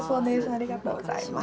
ありがとうございます。